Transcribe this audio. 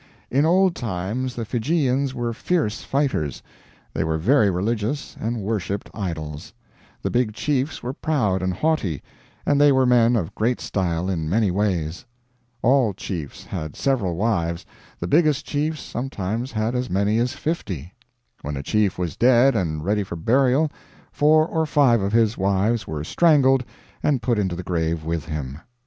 In old times the Fijians were fierce fighters; they were very religious, and worshiped idols; the big chiefs were proud and haughty, and they were men of great style in many ways; all chiefs had several wives, the biggest chiefs sometimes had as many as fifty; when a chief was dead and ready for burial, four or five of his wives were strangled and put into the grave with him.